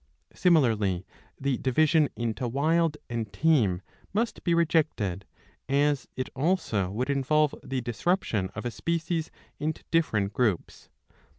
Similarly the division into Wild and Tame [must be rejected] ; as it also would involve the disruption of a species into different groups.